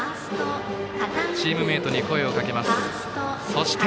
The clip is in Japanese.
チームメートに声をかけました。